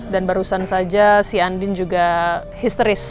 dan barusan saja si andin juga histeris